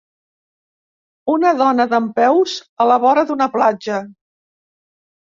Una dona dempeus a la vora d'una platja.